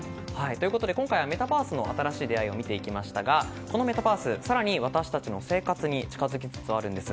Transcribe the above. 今回はメタバースの新しい出会いを見ていきましたがこのメタバース更に私たちの生活に近づきつつあるんです。